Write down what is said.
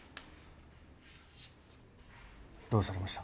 どうされました？